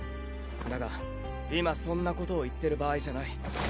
だが今そんなことを言ってる場合じゃない。